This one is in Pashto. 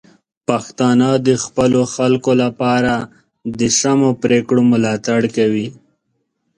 پښتانه د خپلو خلکو لپاره د سمو پریکړو ملاتړ کوي.